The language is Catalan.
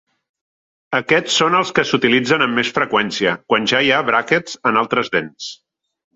Aquests són els que s'utilitzen amb més freqüència quan ja hi ha bràquets en altres dents.